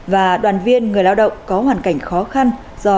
và đoàn viên người lao động có hoàn cảnh khó khăn